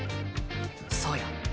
そうや。